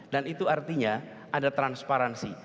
dan itu artinya ada transparansi